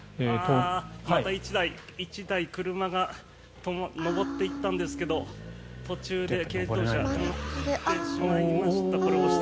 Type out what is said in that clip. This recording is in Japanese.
また１台車が上っていったんですけど途中で軽乗用車止まってしまいました。